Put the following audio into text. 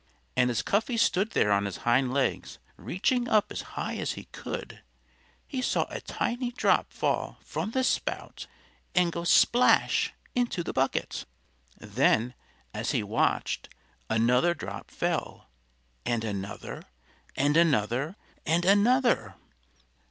And as Cuffy stood there on his hind legs, reaching up as high as he could, he saw a tiny drop fall from the spout and go splash! into the bucket. Then, as he watched, another drop fell; and another and another and another.